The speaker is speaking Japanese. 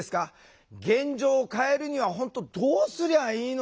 現状を変えるには本当どうすりゃいいのか。